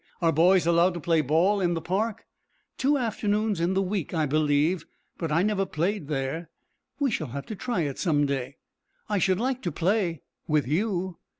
Are boys allowed to play ball in the park?" "Two afternoons in the week, I believe, but I never played there." "We shall have to try it some day." "I should like to play with you."